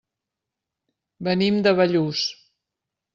Venim de Bellús.